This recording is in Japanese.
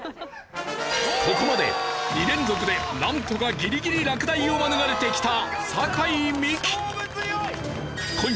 ここまで２連続でなんとかギリギリ落第を免れてきた酒井美紀。